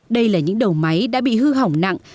đây là những đầu máy đã bị hư hỏng nặng